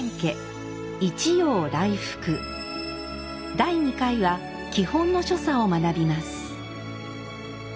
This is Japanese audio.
第二回は基本の所作を学びます。